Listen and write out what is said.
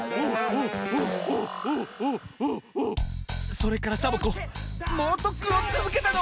それからサボ子もうとっくんをつづけたの！